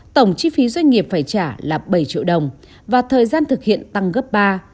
tổng chi phí doanh nghiệp phải trả là bảy triệu đồng và thời gian thực hiện tăng gấp ba